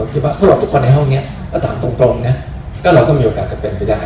ทุกคนในห้องถามตรงเราก็มีโอกาสจะเป็นไปได้